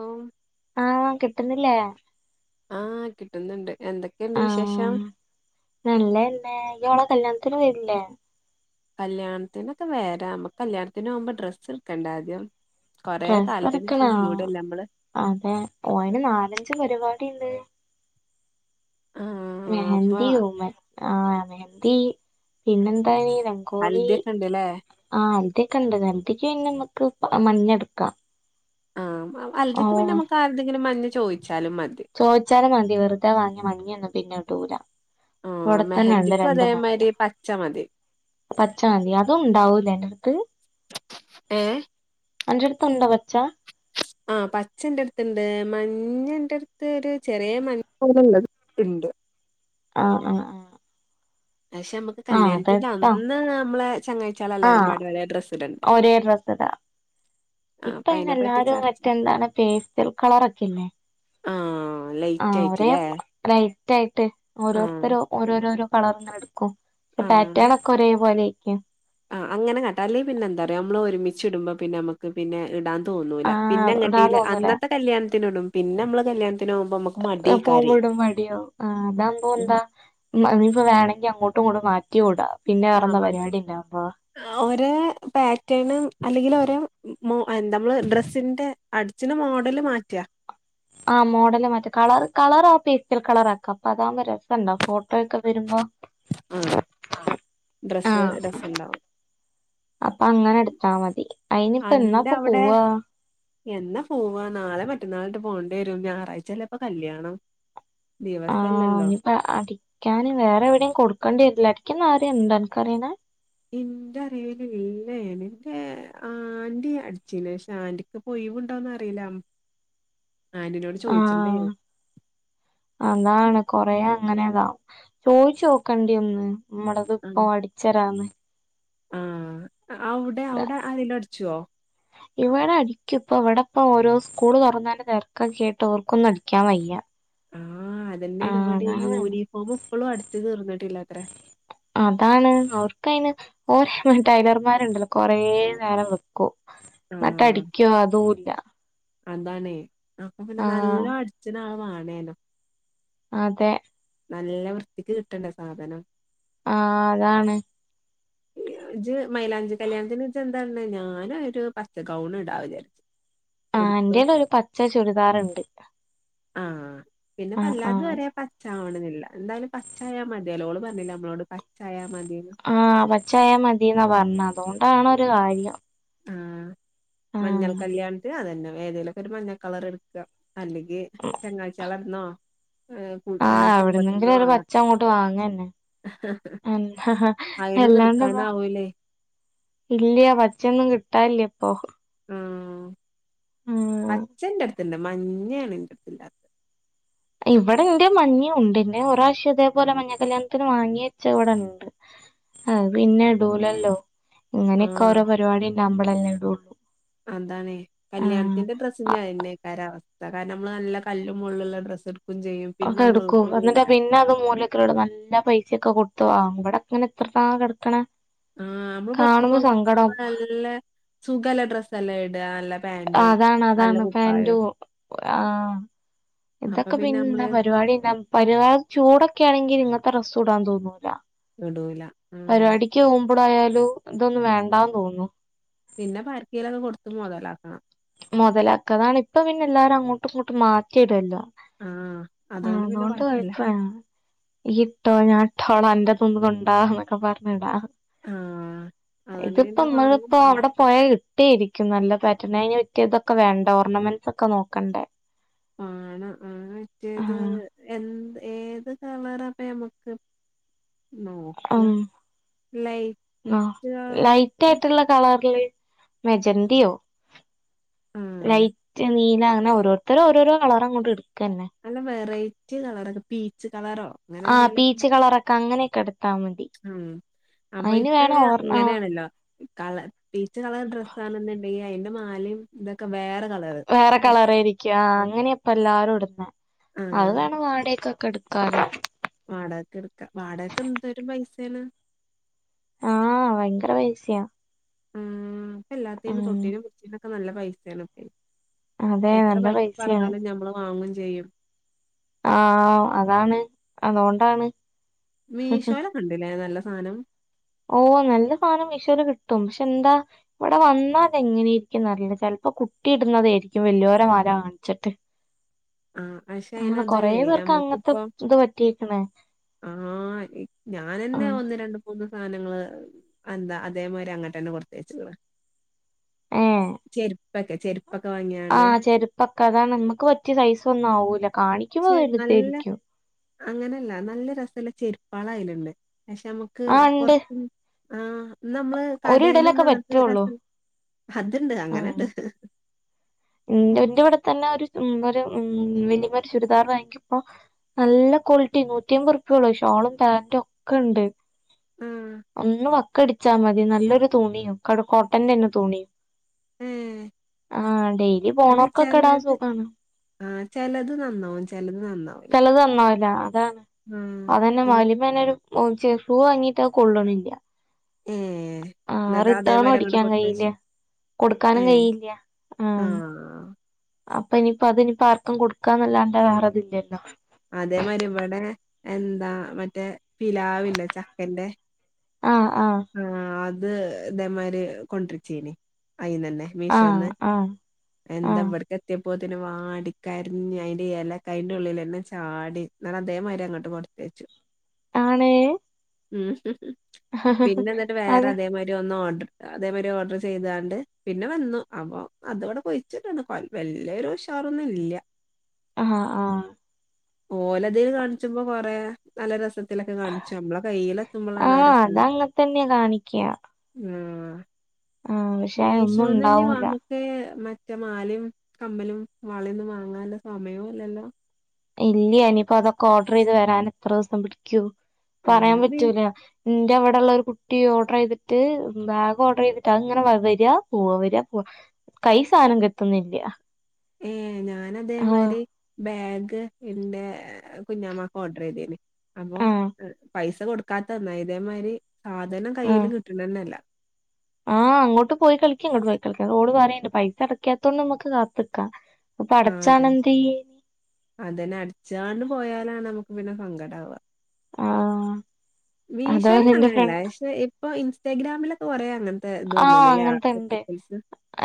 ഓം ആഹ് കിട്ട്ണ്ല്ലേ ആഹ് കിട്ട്ന്ന്ണ്ട് എന്തൊക്കെണ്ട് വിശേഷം? നല്ലെന്നെ ഇയ്യോളെ കല്യാൺത്തിന് വര്ല്ലെ? കല്യാൺത്തിനൊക്കെ വെര ഞമ്മക്ക് കല്യാൺത്തിനോവുമ്പൊ ഡ്രസ്സ്ട്ക്കണ്ടെ ആദ്യം കൊറെ ഡ്രസ്സ് കാലത്തിന് എടുക്കണോ ശേഷം കൂടല്ലെ അമ്മള് അതെ ഓന് നാലഞ്ച് പരിപാടിണ്ട് ആഹ് അപ്പൊ മെഹന്തി ഒന്ന് ആഹ് മെഹന്തീ പിന്നെ എന്തയ്ന് ക്കോലി ഹൽദിയൊക്കെ ഉണ്ട്ല്ലേ ആഹ് അന്തിക്കെ ഇണ്ട് അന്തിക്ക് പിന്നെ അമ്മക്ക് മഞ്ഞെട്ക്കാ ആം അ അൽതിക്ക് പിന്നെ നമക്ക് ആര്തെങ്കിലും മഞ്ഞ ചോയ്ച്ചാലും മതി ചോയ്ച്ചാലും മതി വെറ്തെ വാങ്ങിയാ മഞ്ഞൊന്നും പിന്നെ ഇടൂ ല ആഹ് മെഹന്ദിക്കും അതേമായിരി പച്ച മതി പച്ചമതി അതും ഉണ്ടാവൂലെ അന്റെട്ത്ത് ഏഹ് അന്റെട്ത്ത് ഇണ്ടാെ പച്ച ആഹ് പച്ച ഇന്റെട്ത്ത്ണ്ട് മഞ്ഞ ഇന്റെറട്ത്ത് ഒര് ചെറിയ മഞ്ഞ പോലെള്ളത് ഇണ്ട് ആഹ് ആഹ് ആഹ് പക്ഷെ ഇമ്മക്ക് ആഹ് കല്യാൺത്തിന്റെ അതെട്ടോ അന്ന് നമ്മളെ ചെങ്ങായ് ആഹ് ഒരെ ഡ്രസ്സ്ടാ ആഹ് അപ്പൊ ഇപ്പഐന് അതിനെപ്പറ്റി എല്ലാരും ചർച്ച മറ്റെ എന്താണ് പേസ്റ്റൽ കളറൊക്കെല്ലേ ആഹ് ലൈറ്റൈറ്റ് ലെ ലൈറ്റൈട്ട് ഓരോര്ത്തരും ഓരോരോരോ കളറ് ഇങ്ങനെ ഇട്ക്കും പക്ഷെ ആഹ് പാറ്റേണാെ ഒക്കെ ഒരെ പോലെെക്കും ആഹ് അങ്ങനെ കാട്ടാ അല്ലെങ്കി പിന്നെന്താ അറിയാേ അമ്മള് ഒര്മിച്ച് ഇടുമ്പാെ പിന്നെ അമ്മക്ക് പിന്നെ ഇടാൻ തോന്നൂല ആ പിന്നെ ഇടാൻ എങ്ങട്ടേല തോന്നൂല അന്നത്തെ കല്യാൺത്തിന് ഇടും പിന്നെ അമ്മള് കല്യാണത്തിന് പോവുമ്പൊ ഇമ്മക്ക് എപ്പോളും പോകുമ്പൊ, ഇടുമ്പൊ മടിയാവും ആഹ് അതാവുമ്പോ ഉം എന്താ ഇമ്മ ഇനിപ്പാെ വേണെങ്കി അങ്ങോട്ടും ഇങ്ങട്ടും മാറ്റ് റ്റ്യൂടാ പിന്നെ ആഹ് വേറെന്താ മാറ്റി പരിവാടി ഇണ്ടാവുമ്പാെ ഒരേ പാറ്റേണ് അല്ലെങ്കില് ഒരേ മോ അതെന്ത അമ്മള്ഡ്രസ്സിന്റെ അടിച്ച്ണ മോഡല് മാറ്റാ ആഹ് മോഡല് മാറ്റാ കളറ് കളറാ പേസ്റ്റൽ കളറാക്കാ അപ്പൊ അതാവുമ്പാെ രസണ്ടാവും ഫോ ഫുഡ്കഴിക്കാൻ വെരുമ്പൊ ആഹ് ആഹ് ഡ്രസ്സ് രസണ്ടാവും അപ്പൊ അങ്ങനെ എട്ത്താമതി ഐന്പ്പ അന്റെ എന്നാപ്പൊ അവിടെ പോവാ എന്നാ പോവാ നാളെ മറ്റന്നാളായിട്ട് പോണ്ടേരും ഞായറാഴ്ച എല്ലെ ഇപ്പൊ കല്യാണം ആഹ് ദിവസല്ലല്ലോ ഇനിപ്പ അടിക്കാന് വേറെ എവ്ടിം കൊടുക്കണ്ടി വെര്ലെ അടിക്ക്ന്ന ആരേം ഇണ്ടോ അനക്കറിണെ ഇന്ററിവില് ഇല്ലേയ് നിന്റെ ആന്റി അടിച്ചീന് ശാന്റ് ക്ക് ഇപ്പൊയ്വ്ണ്ടോന്നറീല ഉം ആന്റിനോട് ആഹ് ചോദിച്ചിട്ടുണ്ടായിനി അതാണ് കൊറെ അങ്ങനെതാ ചോയിച്ചു ഓക്കണ്ടി ഒന്ന് ഇമ്മടത് ഇപ്പൊ ആഹ് അടിച്ചരാന്ന്. ആഹ് അവ്ടെ അവ്ടെ ആരേലും അടിച്ചോ ഇവടെ അടിക്കും ഇപ്പൊ ഇവടെ ഇപ്പൊ ഓരോ സ്കൂള് തൊറന്നതിന്റെ തെരക്കൊകേട്ടു അവർക്കാെന്നും അടിക്കാൻ വയ്യ ആഹ് അതെന്നേണ് ആഹ് ഇവടേയ് അതാണ് യൂനിഫോമ് ഇപ്പളും അടിച്ച് തീർന്ന്ട്ടില്ലത്രെ അതാണ് അവർക്കൈന് ഓരോ ടൈലർമാര്ണ്ടല്ലോ കൊറേ നേരം വെക്കും ആഹ് ന്ട്ടടിക്കുവോ അതൂല്ല അതാണേ അപ്പൊ പിന്നെ നല്ല ആഹ് അടിച്ച്ന ആള് വാണേനും അതെ നല്ല വൃത്തിക്ക് കിട്ടണ്ടെ സാധനം ആഹ് അതാണ് ഇജ് മൈലാഞ്ചി കല്യാൺത്തിന് ഇജെന്താ ഇട്ണ് ഞാനൊരു പച്ച ഗൗണ് ഇടാവിചാരിച്ച് ആഹ് ഇന്റേലൊരു പച്ച ചുരിദാറ്ണ്ട് ആഹ് പിന്നെപെല്ലാര്തും ആഹ് ഒരെ പ ച്ചാവണെന്നില്ല എന്തായാലും പച്ചായ മതിയലോ ഓള് പർണിലെ അമ്മളോട് പച്ചായ മതീന്ന് ആഹ് പച്ചായ മതീന്നാ പർണത് അതോണ്ടാണൊരു കാര്യം ആഹ് മഞ്ഞൾ ആഹ് കല്യാൺത്തിനും അതന്നെ ഏതേലൊക്കെര് മഞ്ഞ കളറ് ഇട്ക്ക അല്ലെങ്കി ചെങ്ങായ്ചിയേളർത്തന്നോ ഉം ആഹ് അവ്ട്ന്നെങ്കിലും ഒരു പച്ച അങ്ങോട്ട് വാങ്ങെന്നെ അയിനൊന്നും എല്ലാണ്ട ഇപ്പോ എടുക്കാനാവൂലേ ഇല്ലയ പച്ചൊന്നും കിട്ടല്ല ഇപ്പൊ. ഉം ഉം പച്ചന്റെടുത്തുണ്ട് മഞ്ഞാണ് - ഇവിടെ എന്റെ മഞ്ഞ ഉണ്ട് എന്റെ ഒരു പ്രാവിശ്യം ഇതേപോലെ മഞ്ഞ കല്യാണത്തിന് വാങ്ങി വെച്ച ഇവിടെ ഉണ്ട്. ആ പിന്നെ ഇടൂലല്ലോ ഇങ്ങനെയൊക്കെ ആഹ് ഓരോ പരിപാടി ഉണ്ടാവ്മ്പോളല്ലെ ഇടുള്ളു. അതാണെകല്യാണത്തിന്റെ ഡ്രസ്സ് പിന്നെ അവസ്ഥ കാരണം നമ്മള് നല്ല കല്ലുംമുളുള്ള ഡ്രസ്സ് എടുക്കും ചെയ്യും. പിന്നെ ഒക്കെ നമ്മള് എടുക്കും എന്നിട്ടാ ഇടൂല്ല പിന്നെ അത് മൂല നല്ല പൈസയൊക്കെ കൊടുത്തു അവിടെ അങ്ങനെ എത്ര ത കിടക്കണെ ആഹ് നമ്മള് കാണുമ്പോ പുറത്ത സങ്കടാവും നല്ല സുഖല്ല ഡ്രസ്സ്ല്ലാം ഇട അല്ലാ അതാണ് അതാണ് പാന്റും അഹ് അപ്പൊ ഇതൊക്കെ പിന്നെ എന്താ നമ്മള് പരിപാടിന്താ ഒരുപാട് ചൂടൊക്കെ ആണെങ്കിൽ ഇങ്ങനത്തെ ഡ്രസ്സും ഇടാൻ തോന്നൂല. ഇടൂല ആഹ് പരിപാടിക്ക് പോകുമ്പോഴായാലും ഇതൊന്നന്ന് വേണ്ടന്ന് തോന്നും പിന്നെ [inaudible] ആർക്കിയിലൊക്കെ കൊടുത്ത മൊതലാക്കണം. മുതലാക്ക അതാണ് ഇപ്പ പിന്നെ എല്ലാരും അങ്ങോട്ടും ഇങ്ങോട്ടും മാറ്റിടുല്ലോ. ആഹ് ആ പിന്നെ അതുകൊണ്ട് കൊഴപ്പല്ല കൊഴപ്പാണ് ഈ ഇട്ടോ ഞാൻ ഇട്ടോടോ അന്റെ തതിന്നുന്നുണ്ടോ എന്നൊക്കെ പറഞ്ഞിടാ ആഹ് അതുകൊണ്ട് പിന്നെ വാങ്ങും ഇതിപ്പോമ്മളപ്പോ വേണ്ട അവിടെ പോയൽ ഇട്ടിയിരിക്കും നല്ല പേറ്റേണാ കറ്റിയതൊക്കെ വേണ്ട ഓർണമെന്റ്സ് ഒക്കെ നോക്കണ്ടേ? മാണം ആറ്റേത് ആഹ് എന്ത് ഏത് കളറപ്പ നമുക്ക് നോക്ക ലൈറ്റ് ആ ലൈറ്റ് കളേഴ്സ് ആയിട്ടുള്ള കളറൽ മെജന്തെയോ ആഹ് ലൈറ്റ് നീല അങ്ങനെ ഓരോ ഇത്രര ഓരോരോ കളർ അങ്ങോട്ട് എടുക്കന്നെ. നല്ല വെറൈറ്റി കളർക്കെ പീച്ച് കളറോ? അങ്ങനെ ആ എന്തെങ്കിലൊക്കെ പീച്ച് കളറൊക്കെ അങ്ങനെയൊക്കെ എടുത്താൽ മതി. ഉം അപ്പൊ അയിന് ഇപ്പ വേണം ഓർ ഇങ്ങനെയാണല്ലോ കളർ പീച്ച കളർ ഡ്രസ്സ ആണെന്നുണ്ടെങ്കിൽ അതിന്റെ മാലം ഇതൊക്കെ വേറെ കളറ്. വേറെ ഓ കളർ ആയിരിക്ക ആ അങ്ങനെയപ്പ എല്ലാരും ഇടുന്ന ആ, അത് വേണം വാടക്കൊക്കെ എടു കാല്ലോ [inaudible] വാടകക്കെ എടുക്കാ വാടകൊക്കെ എന്തരും പൈസാണ്. ആഹ് ഭയങ്കര പൈസിയാ. ഉം ഇപ്പ എല്ലാത്തും തൊട്ടീനും പിടിച്ചീനൊക്കെ നല്ല പൈസയാണ്പ്പെ അതെ എത്ര നല്ല പൈസ പൈസയാണ് പറഞ്ഞാലും ഞമ്മള് വാങ്ങും ചെയ്യും. ആഹ അതാണ് അതുകൊണ്ടാണ്. മീഷോലൊക്കെ ഉണ്ടില്ലേ നല്ല സാധനം. ഓ നല്ല സാധനം മീഷോല് കിട്ടും പക്ഷെ എന്താ ഇവിടെ വന്നാൽ എങ്ങനെയിരിക്കുംന്നറിയില്ല ചിലപ്പോ കുട്ടി ഇടുന്നതായിരിക്കും വലിയോര മല കാണിച്ചിട്ട്. ആഹ് പക്ഷെ ആണ് കൊറേ അനതല്ലേ പേർക്ക് അങ്ങനത്തെ നമ്മുക്കിപ്പോ ഇത് പറ്റിയേക്കണേ ആഹ് ഞാനെന്നെ ആഹ് ഒന്ന് രണ്ട് മൂന്ന് സാധനങ്ങങ്ങള് എന്താ അതേമാരി അങ്ങട്ട് തന്നെ കൊടുത്തയച്ച്ക്ക്ണ് ഏഹ് ചെരുപ്പൊക്കെ ചെരുപ്പൊക്കെ വാങ്ങിയ ആഹ് ചെരുപ്പൊക്കെ അതാണ് നമ്മുക്ക് പറ്റിയ സൈസ ഒന്നും ആവൂല കാണി പക്ഷെ നല്ല അങ്ങനെയല്ല നല്ല രസല്ല ചെരുപ്പാളയലുണ്ട് പക്ഷെ നമ്മുക്ക് ക്കു ആഹ് ഇണ്ട് പൊറത്ത്ന്ന് ആ നമ്മള് ഒരിടലൊക്കെ കടയിലൊന്നും അങ്ങനത്തെ പറ്റുള്ളൂ രസം അത്ണ്ട് അങ്ങനെണ്ട്. എന്റെ ഇവിടെ തന്നെ ഒരു ഉം ഒരു ഉം റെഡിമേഡ് ചുരിദാർ വാങ്ങിക്കുമ്പോൾ നല്ല കോൾട്ടി നൂറ്റി അയ് പത് റൂപ്യേള്ളൂ ഷോളും പാൻ്റും ഒക്കെണ്ട് ആഹ് ഒന്ന് വക്കടിച്ചാ മതി നല്ലൊരു തുണിയും കട കോട്ടൻ ന്റെന് തുണി ഏഹ് ആഹ് ഡെയ്‌ലി അയിന് പോണോർ ക്കൊക്കെ ടാൻ ചെലത് സുഗാ ണ് ആഹ് ചെ ലത് നന്നാവും ചെ ലത് നന്നാവൂല ചെ ലത് നന്നാവുല്ല അതാണ് ആഹ് അതെന്നെ ഒന്ന് മാളിമ്മേനൊരു ഒരു ബൂം ചെ ഷൂ വാങ്ങീ ട്ടത് കൊള്ള് ണില്ല ഉം എന്നിട്ടാ റിട്ടേണും അതേമാരി അങ്ങോട് അടിക്കാൻ കൊടുത്തെച്ച് കഴിയില്ല കൊടുക്കാനും ഏഹ് കഴിയില്ല ആഹ് അപ്പൊ ഇനിയിപ്പോ അതിനിയിപ്പം ആർക്കും കൊടുക്കാന്നല്ലാണ്ട് വേറെതില്ലല്ലോ അതെ മാ രി ഇവിടെ എന്താ മറ്റേ പിലാ വില്ലേ ചക്കന്റെ ആഹ് അത് ഇതേമാരി കൊണ്ടുര് ച്ചേനി അയ് ന്നെ ന്നെ ആഹ് മീഷോന്ന് ആഹ് എന്താ ആഹ് ഇവിടക്ക ഇവിടെ എത്തിപ്പോ ത്തി നും വാടിക്കര് ഞ്ഞ ഡി അയ് ന്റെറെ എല്ല കൈന്റെ ഉള്ളില ന്നെ വാടി ഞാ അതേമാരി അങ്ങോട്ട് കൊടുത്തയച്ചു ആണ് ഉം പിന്നെ എന്നിട്ട് വേറെ അത് അതേമാ രി ഒന്നോ ഓർഡർ അതേമാരി ഓർഡർ ചെയ്താണ്ട് പിന്നെ വന്നു അപ്പൊ അത് ഇവിടെ കുഴിച്ചിടാ ണ് വല്ല്യ രു ഉഷാറൊന്നും ഇല്ല അ ഹാ ആഹ് ഓലത് കാണിച്ച് മ്പൊ കൊറേ നല്ല രസത്തിലൊക്കെ കാണിച്ചു നമ്മളെ കൈയ്യിൽ എത്തുമ്പോളാണ് ആ ആഹ് രസല്ല അതങ്ങത്തന്നെയാ കാണിക്ക ആഹ് ആഹ് പക്ഷെ ഒന്നും മീശോന്ന് ന്നെ ഉണ്ടാവൂല വാങ്ങി ഒക്കേ മറ്റേ മാലിം കമ്മലും വളെ ന്നും വാങ്ങാല്ല സമയയോം ഇല്ലല്ലോ ഇല്ല്യ ഇനിയിപ്പോ അതൊക്കെ ഓർഡർ ഈത് വരാൻ എത്ര ദിവസം പിടിക്കും പറയാൻ ആഹ് പറ്റൂല എന്റെ അവിടെയുള്ള ഒരു കുട്ടി ഓർഡർ ഈ തിട്ട് ബാഗ് ഓർഡർ ഈ തിട്ട് അത് ഇ ങ്ങനെ വരാ പോവാ വരാ പോവാ കൈ സാനം കിട്ടുന്നെർ ത്യ ഏ ഹ് ഞാൻ അതേമാ രി ബാഗ് എൻ്റെ കുഞ്ഞാമാക്ക് ഓർഡർ ചെയ്തേന് അപ്പൊ ആഹ് പൈസ കൊടുക്ക ക്കാത്തത് നന്നായി ഇതേമാ രി സാധനം ആഹ് കൈയ്യിൽ കിട്ടണ നെ ന്നല്ല ആഹ് അങ്ങോട്ട് പോയി കളിക്കാ ഇങ്ങോട്ട് പോയി കളിക്ക ഓള് പറീണ്ട് പൈസ അടക്കത്തോണ്ട് മ്മ ക്ക് കാത്ത് ക്കാം ആഹ്അതെ അതന്നെ അടിച്ചാണ്ട് പോയാലാണ് നമുക്ക് പിന്നെ സങ്കടാ വാ ആഹ് മീശോ അതേപോലെ യിലൊന്നും എന്റെ അങ്ങനെല്ല ഫ്രണ്ട് പക്ഷെ ഇപ്പൊ ഇൻസ്റ്റാഗ്രാമിലൊക്കെ കൊറേ അങ്ങനെ ആഹ് അങ്ങൻ ത്തെ ണ്ട്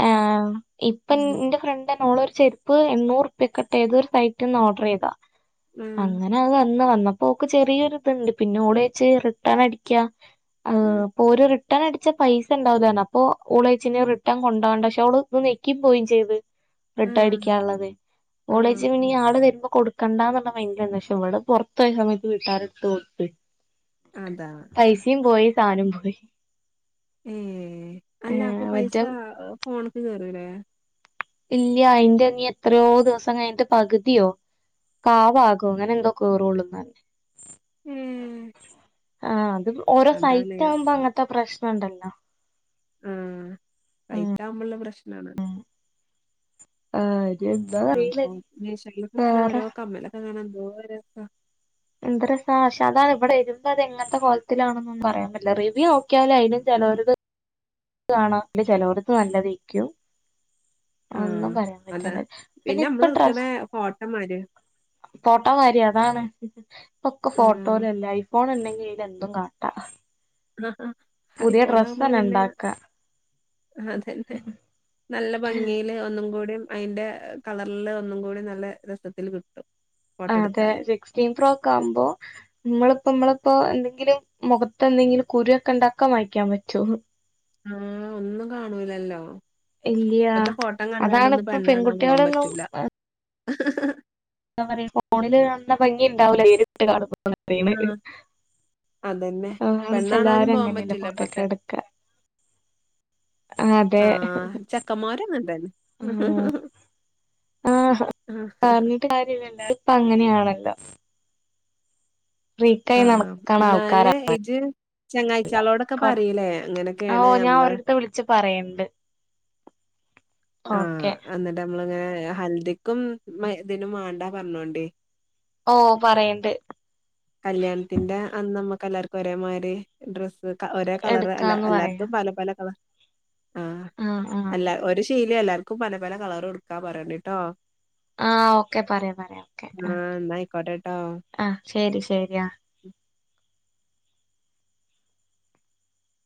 ആഹ് ഇപ്പം ആ എന്റെ ഫ്രണ്ട് തന്നെ ഓള് ഒരു ചെര് പ്പ് പ്പ് എണ്ണൂർ പപ്യ ക്ക് ട്ട് ഏതൊരു സൈറ്റിന്ന് ഓർഡ് റീ യ്താ ആ അങ്ങന അത് വന്ന് വന്നപ്പോ ഓക്ക് ചെറിയൊരു ഇതുണ്ട് പിന്നെ ഓള് ഒയ്ച്ചു റിട്ടേൺ അടിക്കാ ആഹ് പ്പൊ ഓര് റിട്ടേൺ അടിച്ചാ പൈസ [unintelligible] അപ്പോ ഓളു ഓയ് ച്ച് ന് റിട്ടേൺ കൊ ണ്ടോ വണ്ട പക്ഷെ ഓളൊ ഒന്ന് ഞെക്കി പോവും ചെയ്ത് റിട്ടേൺ അടിക്കാള്ളത് ആ ആ ഓള് ഓയി ച്ച് ഇനി ആള് വരുമ്പൊ കൊടു കണ്ടാന്ന് ഉള്ള മൈൻ്റ് ആണ് പക്ഷെ ഇവള് പൊ ർത്തോ യ സമെ ത്ത് വീട്ടുകാരെടുത്ത് കൊടുത്ത് അതാ പൈസീം പോയി സാനോം പോയി എഹ് അല്ലാ പ്പൊ ഏഹ് പൈസ മറ്റേ ഫോണിക്ക് കേറൂല്ലേ ഇല്ല അയ് ന്റെ നി എത്രയോ ദിവസം കഴിഞ്ഞിട്ട് പകുതിയോ കാ ഭാഗൊ അങ്ങനെ എന്തോ കേറുള്ളു ഉം ആഹ് അത് ഓരോ അതാണ് സൈറ്റ് ആവുമ്പോ അങ്ങനത്തെ പ്രശ്നം ഉണ്ടല്ലോ ഉം സൈറ്റാകുമ്പോള്ള പ്രശ്നാ ണ് ആഹ് [unintelligible] അപ്പൊ ഇനി മീശേയിലൊക്കെ നല്ല വേറെ ഓരോ കമ്മലൊക്കെ കാണാൻ എന്തോ രസാ? എന്ത് രസാ പക്ഷെ അതാ ഇവിടെ വരുമ്പോ അത് എങ്ങൻ ത്തെ കോലത്തിലാണെന്നൊന്നും പറയാൻ പറ്റില്ല റിവ്യൂ ഓ ക്കെ യാലും അയ് ലും ചെലോ ലത് കാണാ പിന്നെ ചെ ലോ ടത്ത് നല്ലതെ ക്കും ഒന്നും ആഹ് പറയാൻ അതാ പറ്റ്ണ് പിന്നെ ഇപ്പ നമ്മള് എടുക്കണ ട്രസ്സ് ഫോട്ടോ മാതിരി ഫോട്ടോ വാരി അതാണ് ഇപ്പൊക്കെ ഉം ഫോട്ടോലല്ലേ ഐഫോൺ ഇണ്ടങ്കിൽ എന്തും കാട്ടാ ആഹ് ആഹ് പുതിയ ഡ്രസ്സ് ഐഫോനാവുമ്പോ തന്നെ പിന്നെ ഉണ്ടാക്ക അതന്നെ നല്ല ഭംഗിയില് ഒന്നും കൂടി അയിന്റെ കളറില് ഒന്നും കൂടി നല്ല രസത്തിൽ കിട്ടും ഫോട്ടോ ആഹ് അതെ എടുത്താല് സിക്സ്റ്റീൻ ഫ്രോക്കാ ആക്കുമ്പോ മ്മളിപ്പോ മ്മളപ്പോ എന്തെങ്കിലും മുഖത്ത് എന്തെങ്കിലും കുരുയൊക്കെ ഉണ്ടാക്കാൻ മായ് ക്കാൻ പറ്റോ ആഹ് ഒന്നും കാണൂലല്ലോ ഇല്ല്യ ഇപ്പത്തെ ഫോട്ടോ കണ്ട് അതാണ് കാണ്ടൊന്നും ഇപ്പൊ പെണ്ണാണാൻ പോവാൻ പെൺകുട്ടികളൊന്നും പറ്റൂല എന്താ പറ ഫോണില് കാണുന്ന ഭംഗി ഉണ്ടാവൂല ഇരിട്ട് കാണു [inaudible] ആഹ് അതന്നെ ആഹ് പെണ്ണാണാനും ഇപ്പൊലരും പോവാൻ അങ്ങനെയണ് പറ്റൂല ഫോട്ടൊക്കെ ഇപ്പത്തെ എടുക്ക ആഹ് അതെ ആഹ് ചക്കമ്മാരും അങ്ങനെ തന്നെ ഉം ആഹ് ആ പറഞ്ഞിട്ട് കാര്യല്ലല്ലോ പ്പ അങ്ങനെയാണല്ലോ ഫ്രീക്കായി ആഹ് നടക്കണ ആൾക്കാരാ ന്നാല് ഇജ്ജ് ചെങ്ങാഴ്ചളോടൊക്കെ കൊ പറീലേ അങ്ങനെയൊക്കേണ് നമ്മള് ച്ച് പറയണ്ട് ഓക്കെ ആഹ് അന്നിട്ട് നമ്മളിങ്ങനെ ഹൻദിക്കും മഗ്‌രിബ്നും വാണ്ട പറഞ്ഞോണ്ടി ഓ പറയണ്ട് കല്യാണത്തിന്റെ അന്ന് നമ്മക്ക് എല്ലാർക്കും ഒരേമാതിരി ഡ്രസ്സ് ക ഒരേ കളർഅല്ല എടുക്കാന്ന് അ ല്ലാരു പറയാ ക്കുംപല പല കളർ ആഹ് അല്ലാ ഒരു ശീല എല്ലാർക്കും പല പല കളർ എടുക്കാൻ പറയണ്ടി ട്ടോ ആഹ് ഓക്കെ പറയാം പറയാം ഓക്കെ ആ എന്നാ ആയിക്കോട്ടെട്ടോ ആ ശരി ശരി ആഹ്